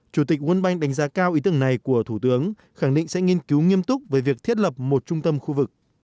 chủ tịch world bank đánh giá cao ý tưởng này của thủ tướng khẳng định sẽ nghiên cứu nghiêm túc về việc thiết lập một trung tâm khu vực